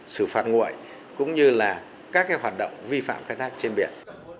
xử phạt nguội cũng như là các hoạt động vi phạm khai thác trên biển